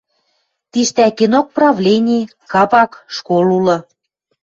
Тиштӓкенок правлени, кабак, школ улы.